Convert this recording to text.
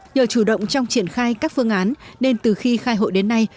nhờ chủ động trong triển khai các phương án nên từ khi khai hội đến nay